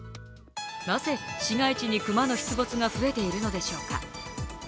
なぜ市街地に熊の出没が増えているのでしょうか。